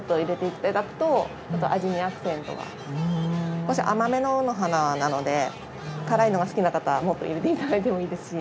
少し甘めの卯の花なので辛いのが好きな方はもっと入れていただいてもいいですし。